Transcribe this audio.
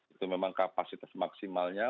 itu memang kapasitas maksimalnya